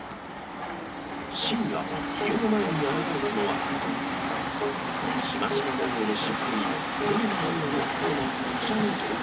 深夜、家の前に現れたのは、しましま模様の尻尾に目の周りが真っ黒なこちらの動物。